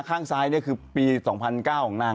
ข้างซ้ายนี่คือปี๒๐๐๙ของนาง